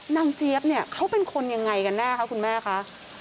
เจี๊ยบเนี่ยเขาเป็นคนยังไงกันแน่คะคุณแม่คะ